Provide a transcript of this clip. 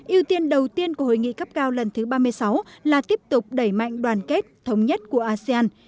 yêu tiên đầu tiên của hội nghị cấp cao lần thứ ba mươi sáu là tiếp tục đẩy mạnh đoàn kết thống nhất của asean